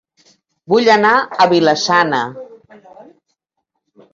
Vull anar a Vila-sana